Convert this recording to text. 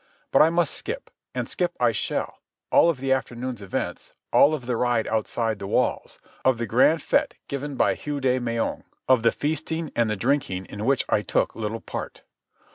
But I must skip. And skip I shall, all of the afternoon's events, all of the ride outside the walls, of the grand fête given by Hugh de Meung, of the feasting and the drinking in which I took little part.